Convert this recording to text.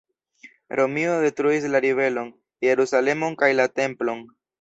Romio detruis la ribelon, Jerusalemon kaj la Templon.